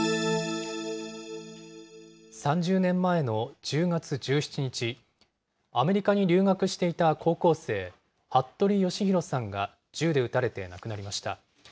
３０年前の１０月１７日、アメリカに留学していた高校生、服部剛丈さんが銃で撃たれて亡くなりました。